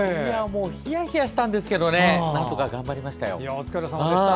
ひやひやしたんですけどなんとか頑張りましたよ。